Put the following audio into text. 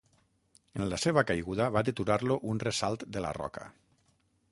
En la seva caiguda va deturar-lo un ressalt de la roca.